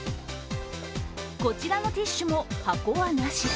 こちらのティッシュも箱はなし。